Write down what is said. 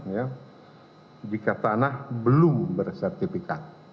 ya jika tanah belum bersertifikat